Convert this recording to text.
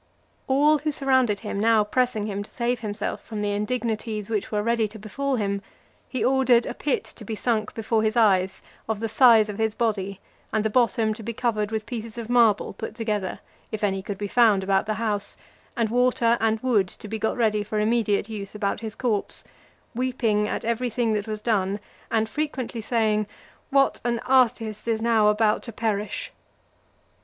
XLIX. All who surrounded him now pressing him to save himself from the indignities which were ready to befall him, he ordered a pit to be sunk before his eyes, of the size of his body, and the bottom to be covered with pieces of marble put together, if any could be found about the house; and water and wood , to be got ready for immediate use about his corpse; weeping at every thing that was done, and frequently saying, "What an artist is now about to perish!"